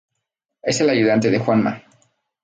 Es el ayudante de Juanma.